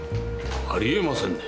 あり得ませんね。